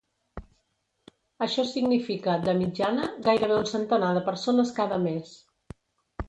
Això significa, de mitjana, gairebé un centenar de persones cada mes.